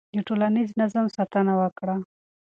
د ټولنیز نظم ساتنه وکړه.